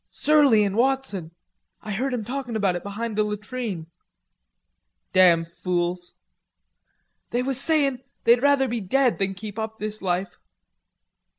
"Surley an' Watson. I heard 'em talkin' about it behind the latrine." "Damn fools." "They was sayin' they'd rather be dead than keep up this life."